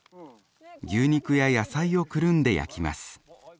牛肉や野菜をくるんで焼きます。